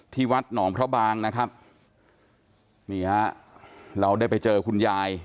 วัดหนองพระบางนะครับนี่ฮะเราได้ไปเจอคุณยาย